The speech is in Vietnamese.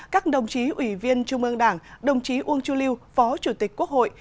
các đồng chí ủy viên trung ương đảng đồng chí uông chu lưu phó chủ tịch quốc hội